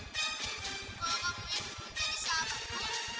kalau kamu ingin menjadi sahabatmu